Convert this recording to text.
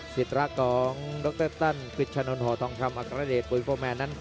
สิทธิ์รักของดรตันพิษชะนอนห่อทองคำอักระเด็นปุ๊ยโฟร์แมน